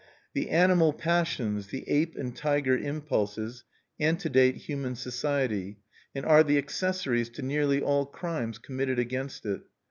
The animal passions, the ape and tiger impulses, antedate human society, and are the accessories to nearly all crimes committed against it.